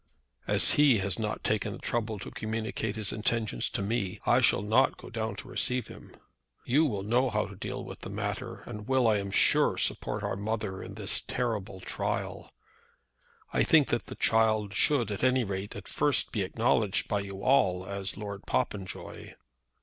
"As he has not taken the trouble to communicate his intentions to me, I shall not go down to receive him." "You will know how to deal with the matter, and will, I am sure, support our mother in this terrible trial." "I think that the child should, at any rate, at first be acknowledged by you all as Lord Popenjoy."